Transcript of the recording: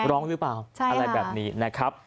ร้องหรือเปล่าอะไรแบบนี้นะครับ